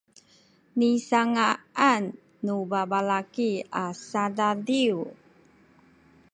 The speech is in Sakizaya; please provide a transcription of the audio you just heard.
nisanga’an nu babalaki a sadadiw